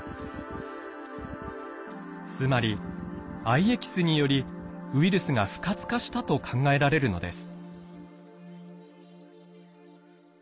つまり藍エキスによりウイルスが不活化したと考えられるのです。